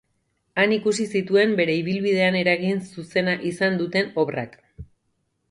Han ikusi zituen bere ibilbidean eragin zuzena izan duten obrak.